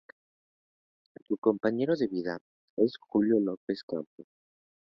Su compañero de vida es Julio López Campos.